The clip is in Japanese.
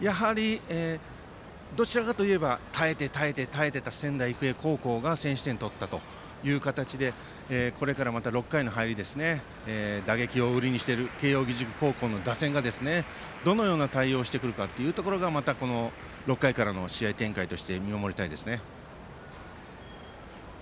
どちらかといえば耐えて、耐えて、耐えていた仙台育英高校が先取点を取ったという形でこれから６回の入りですが打撃を売りにしている慶応義塾高校の打線がどのような対応をしてくるかというところがまた６回からの試合展開として見守りたいですね。